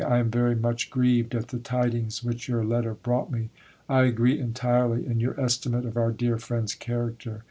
I am very much grieved at the tidings which your letter brought me. I agree entirely in your estimate of our dear friend's character.